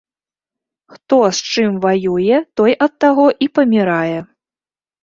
Хто з чым ваюе, той ад таго і памірае.